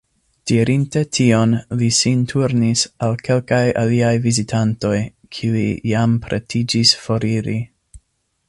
Dirinte tion, li sin turnis al kelkaj aliaj vizitantoj, kiuj jam pretiĝis foriri.